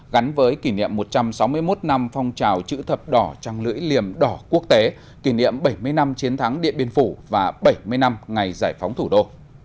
gắn với kỷ niệm một trăm sáu mươi một năm phong trào chữ thập đỏ trăng lưỡi liềm đỏ quốc tế kỷ niệm bảy mươi năm chiến thắng điện biên phủ và bảy mươi năm ngày giải phóng thủ đô